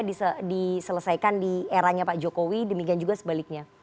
diselesaikan di eranya pak jokowi demikian juga sebaliknya